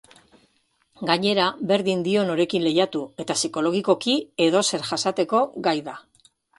Gainera, berdin dio norekin lehiatu, eta psikologikoki edozer jasateko gai da.